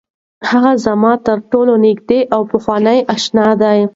هغه زما تر ټولو نږدې او پخوانۍ اشنا ده.